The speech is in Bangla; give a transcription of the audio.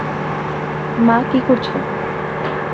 মা, কী করছো?